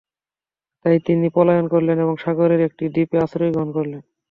তাই তিনি পলায়ন করলেন এবং সাগরের একটি দ্বীপে আশ্রয় গ্রহণ করলেন।